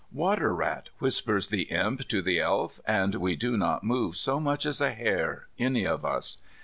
"Water rat," whispers the Imp to the Elf, and we do not move so much as a hair, any of us.